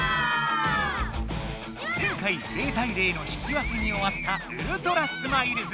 前回０対０の引き分けにおわったウルトラスマイルズ。